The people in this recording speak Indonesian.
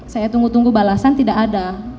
saya tunggu tunggu balasan tidak ada